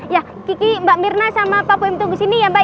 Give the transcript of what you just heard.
ya kiki mbak mirna sama pak boim tunggu sini ya mbak ya